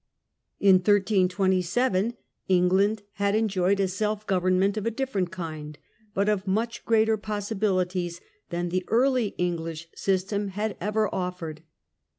In 1327 England had enjoyed a self government of a different kind, but of much greater possibilities than the early English system had ever offered.